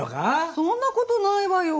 そんなことないわよ。